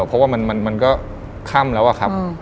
เพราะว่ามันก็ค่ำแล้วอะครับ